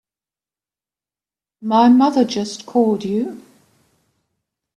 My mother just called you?